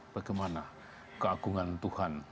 bagaimana keagungan tuhan